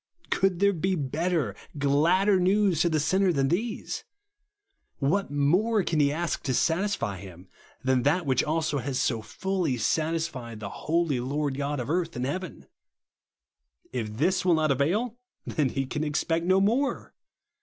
Could there be better, gladder news to the sinner than these ? What more can he ask to satisfy him, than that which has so fully satisfied the holy Lord God of earth and heaven ? If this will not avail, then he can expect no more.